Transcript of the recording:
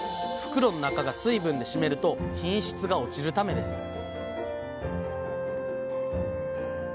袋の中が水分で湿ると品質が落ちるためです